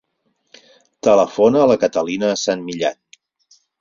Telefona a la Catalina San Millan.